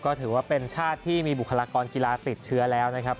ก็ถือว่าเป็นชาติที่มีบุคลากรกีฬาติดเชื้อแล้วนะครับ